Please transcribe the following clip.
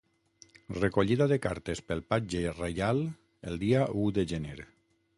Recollida de cartes pel Patge Reial, el dia u de gener.